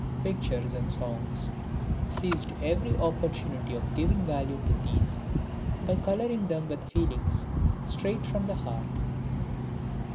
Pictures and Songs seized every opportunity of giving value to these by colouring them with feelings straight from the heart.